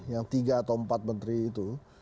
yang tiga atau empat menteri itu